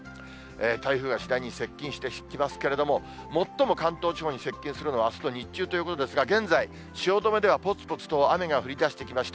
台風が次第に接近してきますけれども、最も関東地方に接近するのはあすの日中ということですが、現在、汐留ではぽつぽつと雨が降りだしてきました。